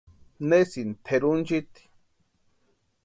¿Nesïni tʼerunchiti?